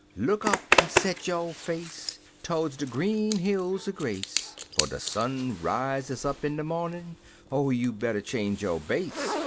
Look up en set yo' face Todes de green hills er grace 'Fo' de sun rises up in de mpmin' — Oh, you better change yo' base.